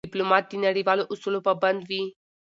ډيپلومات د نړیوالو اصولو پابند وي.